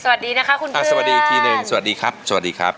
สวัสดีนะคะคุณค่ะสวัสดีอีกทีหนึ่งสวัสดีครับสวัสดีครับ